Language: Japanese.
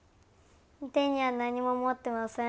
手には何も持ってません。